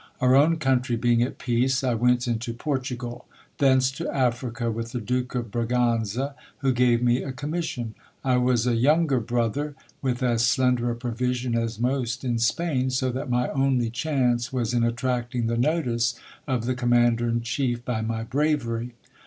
Our own country being at peace, I went into Portugal ; thence to Africa with the Duke of Braganza, who gave me a commission. I was a younger brother, with as slender a provision as most in Spain ; so that my only chance was in attracting the notice of the commander in chief by my bravery.